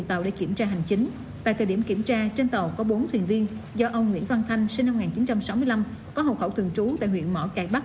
tại thời điểm kiểm tra trên tàu có bốn thuyền viên do ông nguyễn văn thanh sinh năm một nghìn chín trăm sáu mươi năm có hậu khẩu thường trú tại huyện mỏ cải bắc